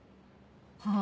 はあ。